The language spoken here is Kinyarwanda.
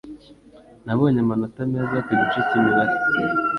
Nabonye amanota meza ku gice cyimibare.